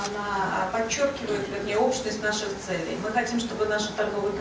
menurut saya penyampaian kami menunjukkan kepentingan keuntungan kita